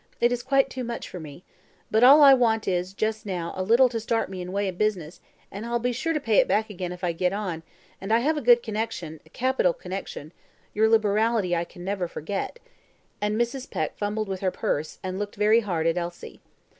It is quite too much for me. But all I want is just a little to start me in a way of business, and I'll be sure to pay it back again if I get on and I have got a good connection, a capital connection your liberality I can never forget;" and Mrs. Peck fumbled with her purse, and looked very hard at Elsie.